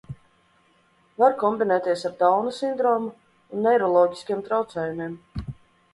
Var kombinēties ar Dauna sindromu un neiroloģiskiem traucējumiem.